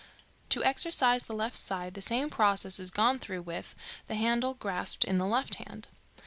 To exercise the left side the same process is gone through with, the handle grasped in the left hand.